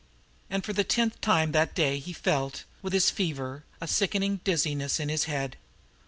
And for the tenth time that day he felt, with his fever, a sickening dizziness in his head.